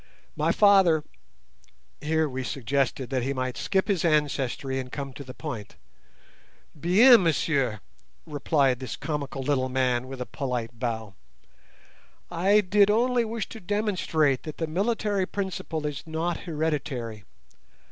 My father—" Here we suggested that he might skip his ancestry and come to the point. "Bien, messieurs!" replied this comical little man, with a polite bow. "I did only wish to demonstrate that the military principle is not hereditary.